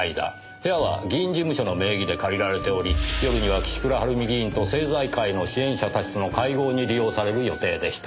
部屋は議員事務所の名義で借りられており夜には岸倉治美議員と政財界の支援者たちとの会合に利用される予定でした。